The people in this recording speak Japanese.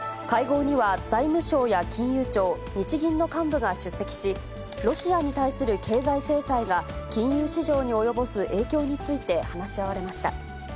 会合には、財務省や金融庁、日銀の幹部が出席し、ロシアに対する経済制裁が、金融市場に及ぼす影響について話し合われました。